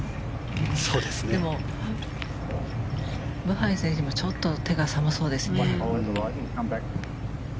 でも、ブハイ選手もちょっと手が寒そうですね。